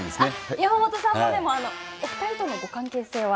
山本さんもお二人とのご関係性は？